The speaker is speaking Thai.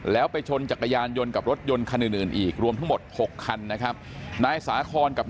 แล้วไปชนจักรยานยนต์กับรถยนต์อื่นอีกรวมทั้งหมด๖คันนะครับ